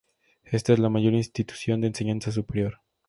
Esta es la mayor institución de enseñanza superior.